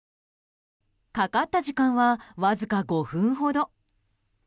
かかった時間はわずか５分ほど。